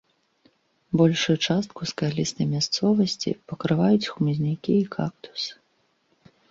Большую частку скалістай мясцовасці пакрываюць хмызнякі і кактусы.